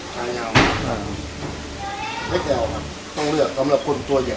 แยกแยวต้องเลือกสำหรับคนตัวใหญ่